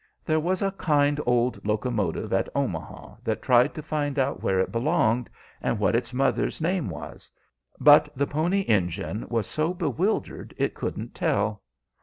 There was a kind old locomotive at Omaha that tried to find out where it belonged, and what its mother's name was, but the Pony Engine was so bewildered it couldn't tell.